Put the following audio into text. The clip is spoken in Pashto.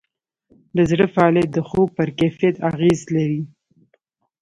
د زړه فعالیت د خوب پر کیفیت اغېز لري.